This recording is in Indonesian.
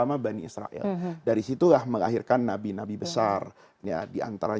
nanti kita buat